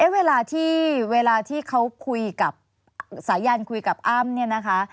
เวลาที่เวลาที่เขาคุยกับสายันคุยกับอ้ำเนี่ยนะคะ